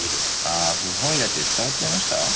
あ不本意だって伝わっちゃいました？